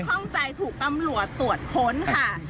ข้องใจถูกตำรวจตรวจค้นค่ะ